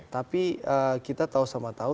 tapi kita tahu sama tahu